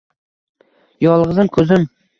Yolg’izim, ko’zim?